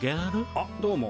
あっどうも。